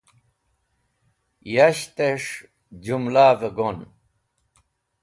Yashtẽs̃h Jũmlavẽ gon